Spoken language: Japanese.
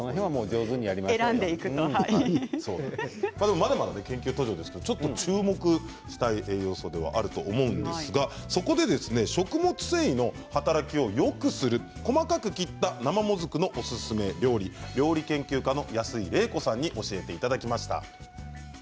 まだまだ研究途上で注目したいところですが、そこで食物繊維の働きをよくする細かく切った生もずくのおすすめ料理を料理研究家の安井レイコさんに教えていただきました。